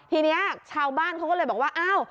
ทีนี้ชาวบ้านเขาก็เลยบอกว่าอ้าว